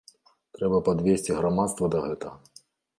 Трэба падвесці грамадства да гэтага.